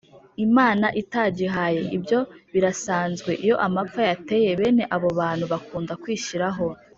imana itagihaye. ibyo birasanzwe: iyo amapfa yateye, bene abo bantu bakunda kwishyiraho.